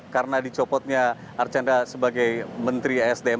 karena dicopotnya archandra sebagai menteri esdm